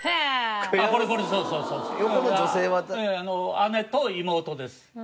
姉と妹です。